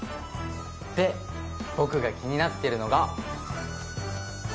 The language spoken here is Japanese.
で僕が気になってるのが。